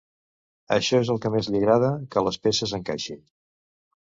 Això és el que més li agrada, que les peces encaixin.